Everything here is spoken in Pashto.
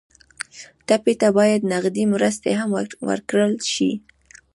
ټپي ته باید نغدې مرستې هم ورکړل شي.